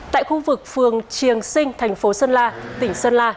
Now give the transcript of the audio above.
tại khu vực phường triềng sinh thành phố sơn la tỉnh sơn la